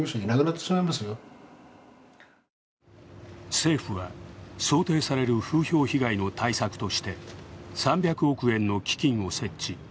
政府は想定される風評被害の対策として３００億円の基金を設置。